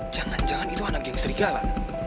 jangan jangan itu anak game serigala